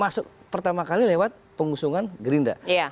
masuk pertama kali lewat pengusungan gerindra